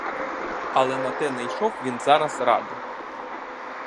Але на те найшов він зараз раду.